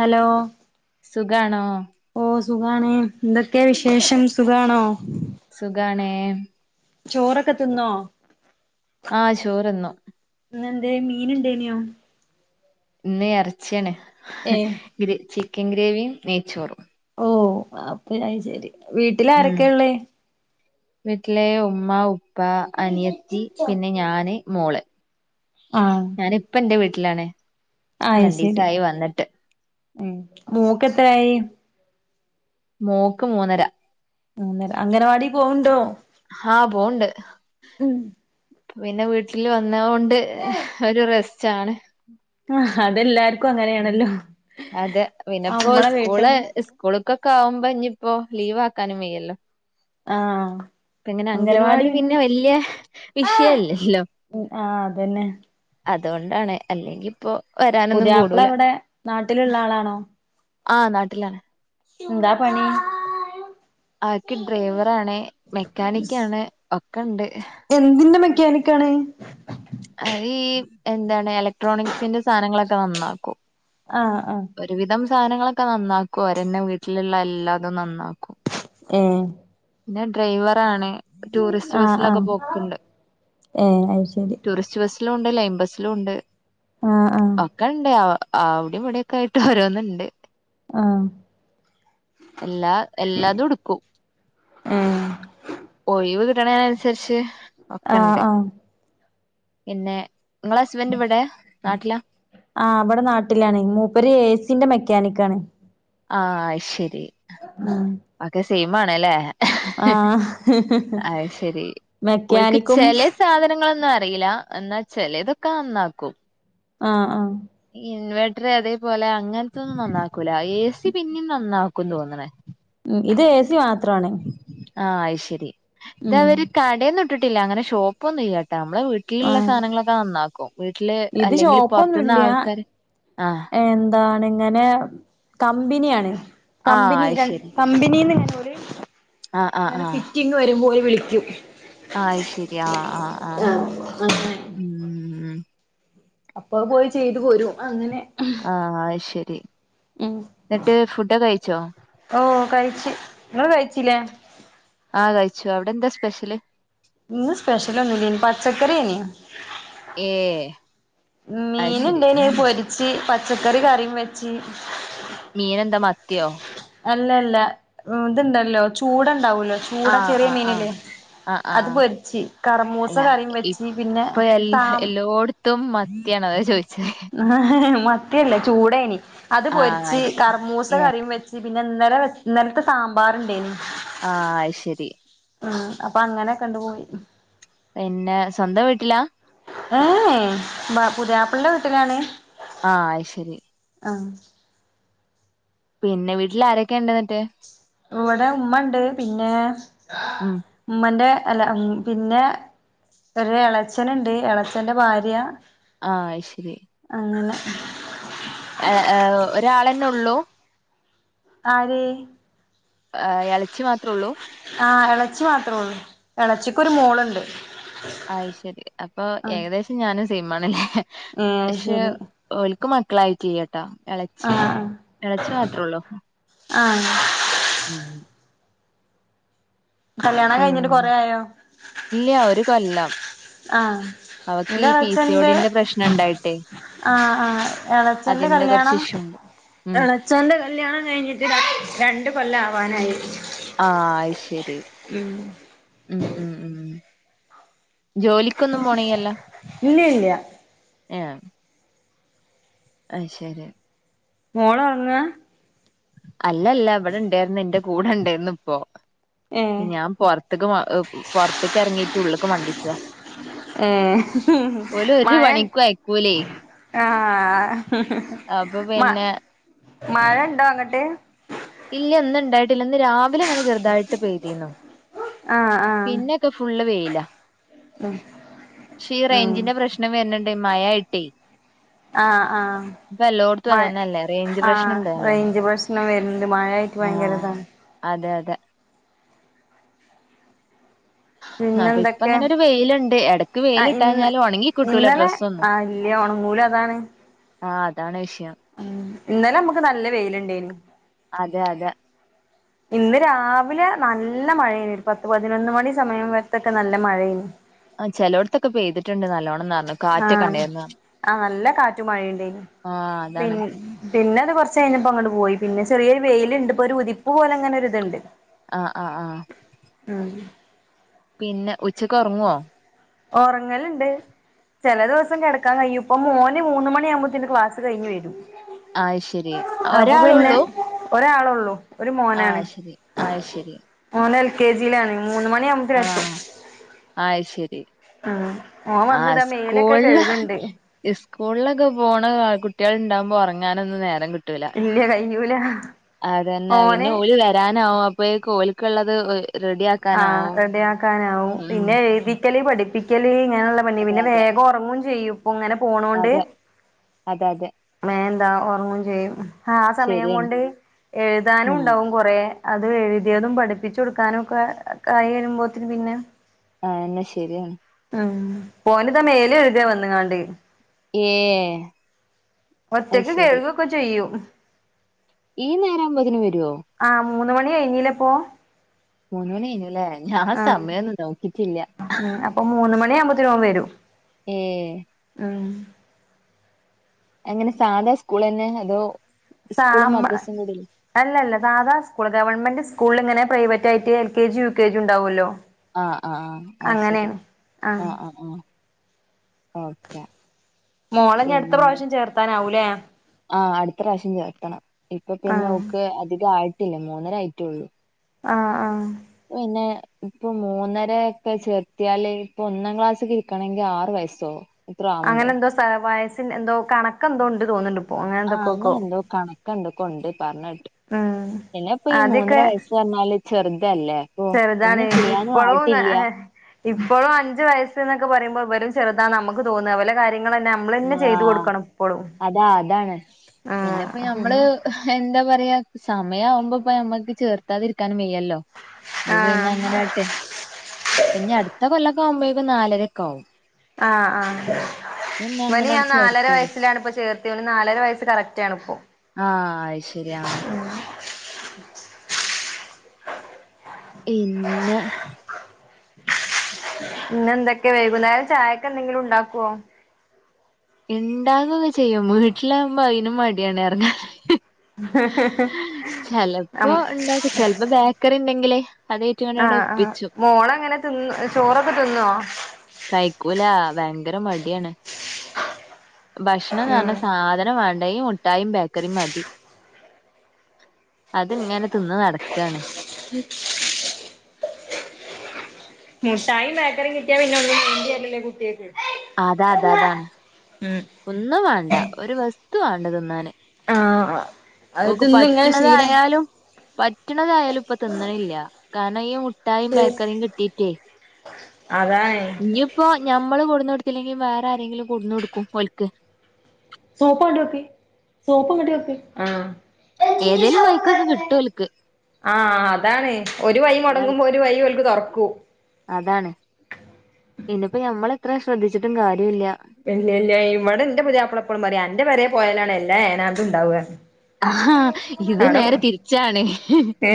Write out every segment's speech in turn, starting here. Hello സുഖണോ. ഓ സുഖണേ എന്തൊക്കെയ വിശേഷം സുഖാണോ. സുഖണേ. ചോറൊക്കെ തിന്നോ. ആ ചോറ് തിന്നു. ഇന്ന് എന്തേ മീൻ ഇണ്ടെനു. ഇന്ന് ഇറച്ചിയാണ് ഏ ഗ്രേ ചിക്കൻ ഗ്രേവിയും നെയ്ച്ചോറും. ഓ അപ്പ ഞാ അത് ശരി വീട്ടില് ആരൊക്കെയ ഉള്ളേ. വീട്ടില് ഉമ്മ, ഉപ്പ, അനിയത്തി പിന്നെ ഞാന് മോള്. ആഹ് ഞാന് ഇപ്പ എന്റെ വീട്ടിലാണ്. ആയി ശരി രണ്ടീസായി വന്നിട്ട് മം മോക്ക് എത്രായി. മോക്ക് മൂന്നര. മൂന്നര അംഗനവാടി പോവണ്ടോ. ആ പോവണ്ട്. ഉം പിന്നെ വീട്ടില് വന്ന കൊണ്ട് ഒരു റെസ്റ്റാണ്. ആഹ് അതെല്ലാർക്കും അങ്ങനെയാണല്ലോ അതെ പിന്നെപ്പോ അമ്മളെ വീട്ടും സ്കൂള്. സ്കുളുക്കൊക്കെ ആകുമ്പോ ഇനി ഇപ്പോ ലീവ് ആക്കാനും വെയ്യല്ലോ. ആഹ് എങ്ങനെ അംഗൻവാടി പിന്നെ വല്യ. ആഹ് വിഷയല്ലല്ലോ അതന്നെ അതുകൊണ്ടാണ് അല്ലെങ്കിപ്പോ പുതിയാപ്പിള അവിടെ നാട്ടിലുള്ള ആളാണോ. ആ നാട്ടിലാണ്. എന്താ പണി. ആക്ക് ഡ്രൈവറ് ആണ് മെക്കാനിക്ക് ആണ് ഒക്കെ ഇണ്ട്. എന്തിന്റെ മെക്കാനിക്ക് ആണ്. അത് ഈ എന്താണ് ഇലക്ട്രോണിക്സിന്റെ സാധനങ്ങളൊക്കെ നന്നാക്കും. ആഹ് ആഹ് ഒരുവിധം സാധനങ്ങളൊക്കെ നന്നാക്കും. ഓര് തന്നെ വീട്ടിലുള്ള എല്ലാതും നന്നാക്കും. ഉം പിന്നെ ഡ്രൈവർ ആണ് ടൂറിസ്റ്റ് ബസ്സിലൊക്കെ പോക്കണ്ട്. ഏഹ് അത് ശരി. ടൂറിസ്റ്റ് ബസ്സിലും ഉണ്ട്. ലൈൻ ബസ്സിലും ഉണ്ട്. ആഹ് ആഹ്. ഒക്ക ഉണ്ട്, അവിടെയും ഇവിടൊക്കെ ആയിട്ട് ഓരോന്നണ്ട്. ആഹ് എല്ലാ എല്ലാതും എടുക്കും. ഏ ഒഴിവ് കിട്ടണതനുസരിച്ച്. ആഹ് ഒക്കെണ്ട് ആഹ് പിന്നെ നിങ്ങളടെ ഹസ്ബൻഡ് ഇവിടെയാ നാട്ടിലാ ആഹ് അവിടെ നാട്ടിലാണ്. മൂപ്പര് എ സിന്റെ മെക്കാനിക്ക് ആണ്. ആഹ് അയ് ശരി. മം അതെ സെയിം ആണല്ലേ. ആഹ് അയ് ശരി ഓൾക്ക് മെക്കാനിക്കും ചെല സാധനങ്ങളൊന്നും അറിയില്ല എന്ന് വച്ചാൽ ചെലതൊക്കെ നന്നാക്കും. ആഹ് ആഹ് ഇൻവേർട്ടർ അതേപോലെ അങ്ങനത്തൊന്നും നന്നാക്കൂല എ സി പിന്നെയും നന്നാക്കു എന്ന് തോന്നണേ. ഉം ഇത് എ സി മാത്രമാണ്. ആഹ് അയ്ശരി ഉം ഇതവര് കടന്നും ഇട്ടിട്ടില്ല അങ്ങനെ ഷോപ്പ് ഒന്നുംല്ലാട്ടോ നമ്മളെവീട്ട് വീട്ടിലുള്ള ആഹ് സാധനങ്ങളൊക്കെ നന്നാക്കും വീട്ടില് ഇത് അല്ലെങ്കില് പൊറത്തുനിന്ന് ഷോപ്പൊന്നുല്ല ആൾക്കാാര് ആഹ് താണ് ഇങ്ങനെ കമ്പിനിആണ് ആഹ് കമ്പിനി രൺ ക അയ്ശരി കമ്പനിന്ന്ങ്ങനെ ആഹ് ആഹ് ആഹ് ഓൽഫിറ്റിംങ് വരുമ്പോല്‌ വിളിക്കും അയ്ശരി ആഹ് ആഹ് ആഹ് ആഹ് അങ്ങനെ ഉം അപ്പ അഹ്പോയി ചെയ്തു പോരും അങ്ങനെ ആഹ് അയ്ശരി ഉം എന്നിട്ട് ഫുഡൊക്കെ കഴിച്ചോ ആഹ് ഓ കഴിച്ച് ങ്ങള്കഴിച്ചില്ലേ ആഹ് കഴിച്ചു അവിടെ എന്താ സ്പെഷ്യല് ഇന്ന് സ്‌പെഷലൊന്നുല്ല പച്ചക്കറിയേന് ഏഹ് മീൻണ്ടേനെ പൊരിച്ച് പച്ചക്കറി കറീംവെച്ച് മീനെന്താ മത്തിയോ അല്ല അല്ല ഇത്ണ്ടല്ലോ ചൂട ഉണ്ടാവൂല്ലോ ചൂടാ ആഹ് ചെറിയ ആഹ് ആഹ് മീനില്ലേ ആഹ് ആഹ് അത് ആഹ് പൊരിച്ച് കർമൂസ അല്ല കറീവെച്ചി പിന്നെ സാ ത്തും മത്തിയാണ് അതാ ചോയ്ചെ മത്തിയല്ല ചൂടേന് അത് ആഹ് പൊരിച്ച് അത് ശരി കർമൂ സ ഏ കറീം വെച്ച് പിന്നെ ഇന്നലെ ഇന്നലത്തെ സാമ്പാർണ്ടേന്നു ആഹ് അയ്ശരി ആഹ് അപ്പൊ അങ്ങനെ കണ്ടു പോയി പിന്നെ സ്വന്തം വീട്ടിലാ ഏഹ് ബപുത്യാപ്പളിന്റെ വീട്ടിലാണ് ആഹ് അയ്ശരി ആഹ് പിന്നെ വീട്ടിൽ ആരൊക്കെണ്ട്ന്നിട്ട് ഇവിടെ ഉമ്മ ഉണ്ട് പിന്നെ ഉം ഉമ്മന്റെ അല്ല ഉം പിന്നെ ഒരു എളച്ചനുണ്ട് എളച്ചന്റെ ഭാര്യ ആഹ് അയ്ശരി അങ്ങനെ ഏഹ് ഏഹ് ഒരാളെന്നെ ഒള്ളൂ ആര് ആ, ഇളച്ചി മാത്രേ ഉള്ളൂ ആഹ് എളച്ചി മാത്രേള്ളൂ എളച്ചിക്കൊരു മോളുണ്ട് അയ്ശരി അപ്പൊ ആഹ് ഏകദേശം ഞാനും സൈമാണല്ലേ ഏഹ് അത് പക്ഷെ ശരി ഓൽക്ക് മക്കളായിട്ടില്ലട്ടാ എളച്ചിയും ആഹ് എളച്ചി മാത്രേള്ളൂ ആഹ് [inaudible] കല്യാണം കഴിഞ്ഞിട്ട് കൊറെയായോ ഇല്ലഒര് കൊല്ലം ആഹ് അവക്ക് എന്റെ ഈ എളച്ചന്റെ പീസിഓടിന്റെ പ്രശ്നംണ്ടായിട്ടേ ആഹ് ആഹ് എളച്ചന്റെ കല്യാണം ഇഷ്യൂ ഉണ്ട് ഉം എളേച്ഛന്റെ കല്യാണം കഴിഞ്ഞിട്ട് ര രണ്ടു കൊല്ലം ആവാനായി ആഹ് അയ്ശരി ഉം ഉം ഉം ഉം ജോലിക്കൊന്നും പോണില്ലല്ലോ ഇല്ല ഇല്ല ആഹ് അയ്ശരി മോളറങ്ങാ അല്ലല്ല ഇവിടെണ്ടാർന്നു എന്റെ കൂടെ ണ്ടായിരുന്നു ഇപ്പോൊ ഏഹ് ഞാൻ പൊറത്ക്ക് മ പൊറത്ക്ക് ഇറങ്ങിട്ട് ഉള്ളക്ക് മണ്ടിച്ച്താ ഏ ഒരു മഴൻ പണിക്കും അയക്കൂലേ ആഹ് അപ്പൊ മ പിന്നെ മഴണ്ടോ അങ്ങോട്ട് ഇല്ല ഇന്ന്ണ്ടായിട്ടില്ല ഇന്ന് രാവിലെങ്ങനെ ചെറുതായിട്ട് പയ്തീന്നു ആഹ് ആഹ് പിന്നൊക്കെ ഫുള്ള് വേയില ഉം ഈ ഉം റേഞ്ചിന്റെ പ്രശ്നം വരുന്നുണ്ട് മയ ആയിട്ടേ ആഹ് ആഹ് ഇപ്പൊ എല്ലോടത്തും മഴ അതന്നെല്ലേ റേഞ്ച് ആഹ് പ്രശ്നണ്ട് നല്ലോണം റേഞ്ച് പ്രശ്നം വരുന്നുണ്ട് മഴയായി ആഹ് അതെ അതെ എന്നാ ഇപ്പ പിന്നെന്തൊക്കെ അങ്ങനെ ഒരു വെയിലുണ്ട് ഇടക്ക് വെയിലിണ്ടഞ്ഞാല് ഉണങ്ങി കിട്ടൂല ഡ്രസ്സൊന്നും ആ ഇല്ല്യ ഓണങ്ങൂല അതാണ് ആഹ് അതാണ് വിഷയം ഉ ഇന്നാലെ നമ്മുക്ക് നല്ല വെയിലുണ്ടായിരുന്നു അതെ അതെ ഇന്ന് രാവിലെ നല്ല മഴേയന്ന് ഒരു പത്ത് പതിനൊന്ന് മണി സമയം വരത്തക്ക നല്ല മഴേന്ന് ആ ചെലോടത്തൊക്കെ പെയ്തിട്ടുണ്ട് നല്ലോണം നനവ് ആഹ് ആ നല്ല കാറ്റും മഴേ ഇണ്ടായിരുന്നു ആഹ് അതാണ് പിന്നെ പിന്നെ അത് കുറച്ച് കഴിഞ്ഞപ്പോ അങ്ങാട്ട് പോയി പിന്നെ ചെറിയ ഒരു വെയിയിലിണ്ട് ഇപ്പോ ഒരു ഉതിപ്പ് പോലെ അങ്ങനെ ഒരു ഇത് എണ്ട് ആഹ് ആഹ് ആഹ് മ്ഹ് പിന്നെ ഉച്ചക്ക് ഉറങ്ങുവോ ഓ ഓറങ്ങലുണ്ട് ചില ദിവസം കിടക്കാൻ കഴിയും ഇപ്പ മോന് മൂന്ന് മണിയാകുമ്പത്തെനും ക്ലാസ് കഴിഞ്ഞ് വരും ആഹ് ശരി അപ്പൊ പിന്നെ ഒരാളുള്ളൂ ഒരാള് ഒള്ളൂ ഒരു മോനാണ് ആഹ് ശരി ആഹ് ശരി മോന് എൽ കെ ജിയിലാണ് മൂന്ന് മണി ആ ആഹ് അയ് ശരി ആഹ് ഓൻ വന്നിത മേലൊക്കെ കഴുകണ്ട് ഇസ്കൂളിലൊക്കെ പോണ കുട്ടികൾ ഉണ്ടാവുമ്പോ ഒറങ്ങാന് ഒന്നും നേരം കി കിട്ടകേല ഇല്ല കയ്യൂല അതന്നെ ഓന് പിന്നെ ഓര് വരാനാവും പ്പയേലും ഓല്ക്കുള്ളത് ഒ ആ റെഡി ആക്കാനാവും ഉം പിന്നെ എഴുതി പഠിക്കല് പഠിപ്പിക്കല് ഇങ്ങനൊള്ള അതെ പിന്നെ അതെ വേഗം ഒറങ്ങോ ചെയ്യും ഇപ്പൊ ഇങ്ങനെ പോണ കൊണ്ട് അതെ അതെ അതെ മേ എന്താ ഒറങ്ങും ചെയ്യും ആ സമയം ശരിയാണ് കൊണ്ട് എഴുതാനും ഉം ഉണ്ടാവും കൊറെ അത് എഴുതിയതും പഠിപ്പിച്ചു കൊടുക്കാനൊക്കെ കയ്യുമ്പോ ഒത്തിരി പിന്നെ ആഹ് എന്നാ ശരിയ ഉം ഓനിതാ മേല് കഴുക വന്ന് കാണ്ട് ഏ അത് ഒറ്റക്ക് ശരി കഴുകഒക്കെ ചെയ്യും ഈ നേരം ആവുമ്പോ തേന് വരുവോ ആഹ് മൂന്ന് മണി കഴിഞ്ഞിലിപ്പോ മൂന്ന് മണി കഴിഞ്ഞുല്ലേ ഞാൻ ആഹ് സമയം ഒന്നും നോക്കിട്ടില്ല ഉം അപ്പ മൂന്ന് മണി ആകുമ്പത്തെന് അവൻ വരും ഏ ആഹ് എങ്ങനെ സാധാ സ്കൂൾ തന്നെ അതോ സ്കൂളും സാമാ മദ്രസും കൂടില്ലേ അല്ലല്ല സാധാ സ്കൂള് ഗവൺമെന്റ് സ്കൂളിൽ ഇങ്ങനെ പ്രൈവറ്റ് ആയിട്ട് L K G U K G ഉണ്ടാവുല്ലോ ആഹ് ആഹ് ആഹ് ആ ശരി ആഹ് ആഹ് ആഹ് ഓക്കെ മോളന്നെ അടുത്ത പ്രാവശ്യം ചേർത്താനാവൂലേ ആഹഹ് അടുത്ത പ്രാവശ്യം ചേർത്തണം ഇപ്പൊ പിന്നെ ആഹ് ഓക്ക് അധികം ആയിട്ടില്ല മൂന്നര ആയിട്ടള്ളൂ ആഹ് ആഹ് പിന്നെ ഇപ്പൊ മൂന്നര ഒക്കെ ചേർത്തിയാല് ഇപ്പൊ ഒന്നാം ക്ലാസില് ക്കണങ്കിൽ ആറ്‌ വയസൊ അങ്ങനെ എന്തോ വയസ്സിന്റെ എന്തോ കണക്കന്തോ ഒണ്ട് തോന്ന്ണ്ട് ആഹ് അങ്ങനെന്തോ കണക്കന്തൊക്കോണ്ട് പർഞേട്ട് ഉം എന്നപ്പൊ ഈ മൂന്നര ആദ്യൊക്കെ വയസ്സ് പറഞ്ഞാല് ചെറുതല്ലേ അപ്പൊ ചെറുതാണ് ഒന്നും ചെയ്യാനും ആയിട്ടില്ല പളൂന്ന്ഹെ ഇപ്പഴും അന്ജ് വയസ്ന്നക്കെ പറയുമ്പോ വരുംചെറുതാന്ന നമക്ക് തോന്ന വലെ കാര്യങ്ങളെന്നെ ആഹ് അതാ അതാണ് പിന്നെപ്പോ ആഹ് ഞമ്മള് എന്താ പറയാ സമയവുമ്പോപ്പ മ്മക്ക് ചേർത്താതിരിക്കാനും വെയ്യല്ലോ അപ്പൊ പിന്നെ ആഹ് അങ്ങനെട്ട് പിന്നെ അടുത്ത കൊല്ലക്കെ ആവുമ്പോഴേക്ക നാലരൊക്കെ ആകും ആഹ് ആഹ് പിന്നെ വനി അങ്ങനാട്ട് ഞാൻ നാലര ചേർത്ത് വയസ്സിലാണ്പ്പ ചേർത്യോന് നാലര വയസ്സ് കറക്റ്റ് ആണിപ്പോ ആഹ് അഹ് ശരിയാ ഇന്നെ പിന്നെ എന്തൊക്കെ വൈകുന്നേരം ചായൊക്കെന്തെങ്കിലും ഉണ്ടാക്കോ ഇണ്ടാകൊക്കെ ചെയ്യും വീട്ടിലാഉമ്പോ അയിനും മടിയാണ് ഇറങ്ങാ അം ചെലപ്പോണ്ടാക്കും ചെൽപ്പോ ബേക്കറിണ്ടെങ്കിലേ ആഹ് ആഹ് മോളങ്ങനെ തിന്ന് ചോറൊക്കെ തിന്നോ കയ്ക്കൂല ഭയങ്കര മടിയാണ് ഭക്ഷണംന്നർഞ്ഞ ഉം സാധനം വേണ്ട ഈ മുട്ടായും ബേക്കറിയും മതി അത്ങ്ങനെ തിന്ന് നടക്കണ് മുട്ടായും ബേക്കറിം കിട്ടിയാ പിന്നെന്നും മാണ്ട്യരൂല കുട്ട്യേക് അതാ അതെ അതാണ് ഉം ഒന്നും വേണ്ട ഒരു വസ്തു വേണ്ട തിന്നാന് ആഹ് അഹ് ഓക്ക് പറ്റ്ണതായാലും പറ്റ്ണതായാലും ഇപ്പൊ തിന്നണില്ല കാര്ണം ഈ മുട്ടായും ബേക്കറിയും കിട്ടീട്ടേ അതാന് ഞ്ഞിപ്പോ ഞമ്മള് കൊട്ന്നൊടുത്തില്ലെങ്കി വേറെ ആരെങ്കിലും കൊടന്നൊടുക്കും ഓൽക്ക് സോപ് ങ്ങട് വെക്കി സോപ്പ് ങ്ങേട്ട് വെക്കി ആഹ് ഏതേലും വൈക്കൊക്കെ കി ആഹ് അതാണ് ഒരു വൈ അതാണ് മുടങ്ങുമ്പോ ഒരു വൈ ഓൽക്ക് തുറക്കൂ അതാണ് ഇനിപ്പോ ഞമ്മൾ എത്ര ശ്രദ്ധിച്ചിട്ടും കാര്യല്ല ഇല്ല ഇല്ല ഇവിടെ ന്റെ പുതിയാപ്പള എപ്പളും പറി അന്റെറ പെരേ പോയാലാണ് എല്ലാ ഏനാന്തുംണ്ടാവ ഇത് നേരെ തിരിച്ചാണ് ഏ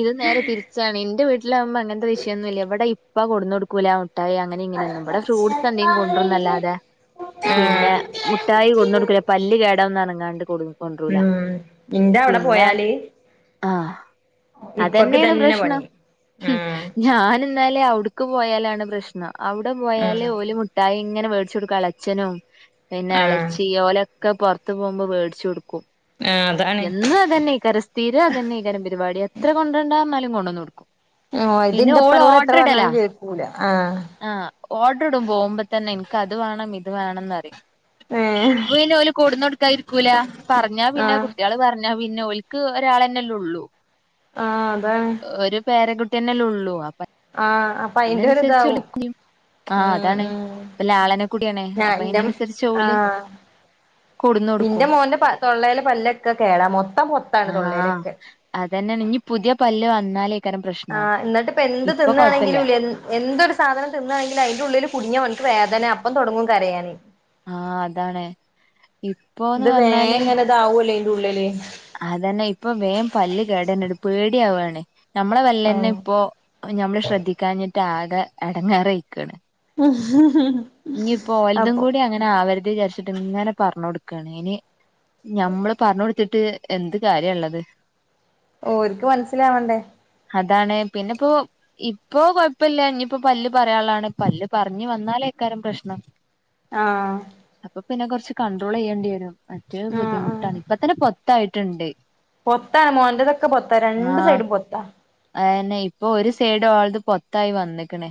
ഇത് നേരെ തിരിച്ചാണ് ഇന്റെ വീട്ടി ലാവുമ്പോ അങ്ങൻത്തെ വിഷയൊന്നുല്ല ഇവിടെ ഇപ്പ കൊടുന്നൊടുക്കൂല മുട്ടായി അങ്ങനി ഇങ്ങനെന്നും ഇവിടെ ഫ്രൂട്ടസ് എന്തേം കൊണ്ട്രുംന്നല്ലാതെ പിന്നെ ആഹ് മുട്ടായി കൊടുന്നടുക്കല പല്ല് കേടാഉന്നർഞ്ങ്ങാണ്ട് കൊടുന്ന് ഉം ഇന്റെ അവിടെ പിന്നെ പോയാല് ആഹ് ഇപ്പക്ക് അതന്നെണ് തന്നെ പ്രശ്നം പണി ഉം ഞാന് ന്നാലേ അവിടുക്ക് പോയാലാണ് പ്രശ്നം അവിടെ ഉം പോയാല് ഓല് മു ട്ടായിങ്ങനെ മേടിച്ചുടുക്കും അളച്ചനും പിന്നെ ആഹ് ഇളച്ചി ഓലെ ക്കെ പൊർത്ത് പോഉമ്പോ വേടിച്ചുടുക്കും ആ [unintelligible] എന്നും അതന്നെയ്ക്കാര സ്ഥീരം അതന്നെയ്ക്കാര് പരിപാടി എത്ര കൊണ്ട്രണ്ടർന്നാലും കൊണ്ടുന്ന് കൊടുക്കും ഓഹ് പിന്നെ ഓള് ഇതിന്റെറപ്പനൂട് എത്ര ഓർഡർ ഇടലാ പറഞ്ഞാലും കെകുല ആഹ് ആഹ് ഓർഡർ ഇടും പോഉമ്പോ തന്നെ ഇൻക്ക് അത് വേണം ഇത് വേണംന്ന്റിം ഏഹ് പിന്നെഓല് കൂടന്ന്ടുക്കാ ഇരിക്കൂല പറഞ്ഞാ പിന്നെ ആഹ് കുട്ടിള് പർ ഞാ പിന്നെ ഓൽക്ക് ഒരാളന്നെല്ലേ ഉള്ളൂ ആഹ അതാണ് ഒരു പേരകുട്ട്യന്നെല്ലുള്ളൂ അപ്പൊ ആഹ അപ്പൊ അയിന്റെ ഒരു അയിനനുസരിച്ച് ഇതാവും ഓല് ആ ആഹ് അതാണ് ആ ഇപ്പല്ല ആളനെക്കുട്ടിയാണ് ഞാ അപ്പൊ ന്റെ അയിനനുസരിച്ച് ഓല് ആഹ കൊടുന്നൊടുക്കും ഇന്റെ മോന്റെ തൊള്ളലെ പല്ലൊക്കെ കേടാ മൊത്തം പൊത്താണ് തൊള്ളേലൊക്കെ അതെന്നെണ് ഇഞ്ഞി പുത്യേ പല്ല് വന്നാലേ ആഹ് ന്ന്ട്ട്പ്പൊ എന്ത് തിന്നാണെങ്കിലുംലെ എന്തൊരു സാധനം തിന്നാണെങ്കിലും അയ്ന്റുള്ളില് കുട്ങ്ങിയ ഓൻക്ക് വേദന അപ്പംതൊടങ്ങും കരയാന് ആഹ് അതാണ് ഇപ്പോന്ന് ഇത് വേം പറഞ്ഞാല് ഇങ്ങാനതാവുംലെ അയ്ന്റെ ഉള്ളില് അതന്നെ ഇപ്പൊ വേം പല്ല് കേടെര്ണ് ഇണ്ട് പേട്യാവാണ് നമ്മളെ ആഹ് പല്ലെന്നെപ്പോ ഞമ്മള് ശ്രദ്ധിക്കാഞ്ഞിട്ട് ആകെ എടങ്ങേറായിക്കാണ് ഹ് ഹ് ഹ് ഇഞ്ഞിപ്പൊ ഓലതും കൂടി അങ്ങനെ ആവര്ത് വിചാരിച്ചിട്ട്ങ്ങനെ പർഞ്ഞൊട്ക്കാണ് ഇനി ഞമ്മള് പർഞ്ഞൊട്ത്ത്ട്ട് എന്ത് കാര്യള്ളത് ഓര്ക്ക് മനസ്സിലാവണ്ടേ അതാണ് പിന്നെപ്പോ ഇപ്പൊ കൊയപ്പല്ല ഇഞ്ഞിപ്പോ പല്ല് പറിയാളാണ് പല്ല് പറഞ്ഞ് വന്നാലേ ക്കാരം പ്രശ്നം ആഹ് അപ്പൊ പിന്നെ കൊറച്ച് കൺട്രോളയണ്ടി വെരും മറ്റേത് ആഹ് ബുദ്ധിമുട്ടാണ് ഇപ്പത്തന്നെ പൊത്തായ്ട്ട്ണ്ട് പൊത്താ മോന്റതൊക്കെ പൊത്താണ് രണ്ട് സൈഡും പൊത്താ അയെന്നെ ഇപ്പൊ ഒര് സൈയ്ഡ് ഓൾത് പൊത്തായി വന്ന്ക്ക്ണ്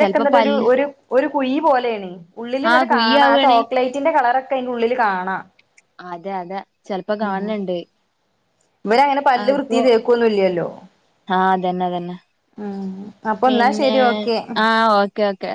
ചെലപ്പോ പല്ല് ഒരു ഒരു കുയി പോലെയ്ണ് ആഹ് ഉള്ളില്ന്ന്ട്ട് കാണാ ആ കുയ്യാവാണ് ചോക്ലേറ്റിന്റെ കളറൊക്കെ അയ്ന്റുള്ളില് കാണാ അതെ അതെ ചെലപ്പൊ ഉം കാൺണ്ണ്ണ്ട് ഇവരങ്ങനെ പല്ല് വൃത്തീ തേക്കൊന്നും ഇല്ല്യല്ലോ ആഹ് അതെന്നതെന്നെ അപ്പൊ എന്നാ പിന്നെ ശരി ഓക്കെ ആഹ് ഓക്കേ ഓക്കേ